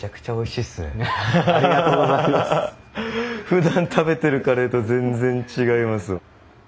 ふだん食べてるカレーと全然違いますよ。